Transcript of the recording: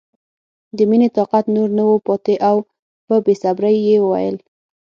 د مینې طاقت نور نه و پاتې او په بې صبرۍ یې وویل